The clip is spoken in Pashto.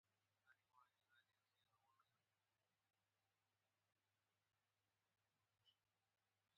ويې ويل: يو څه اوبه پاتې دي.